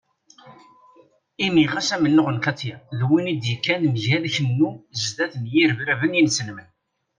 Imi ɣas amennuɣ n Katiya d win i d-yekkan mgal kennu zdat n yirebraben inselmen.